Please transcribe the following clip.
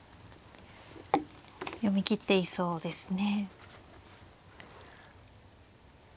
読み切っていそうですね。